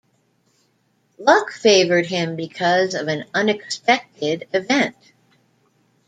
Luck favored him because of an unexpected event.